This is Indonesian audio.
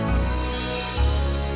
kita mulai semuanya dari awal